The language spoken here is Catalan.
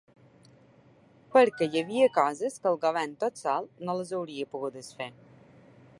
Perquè hi havia coses que el govern tot sol no les hauria pogudes fer.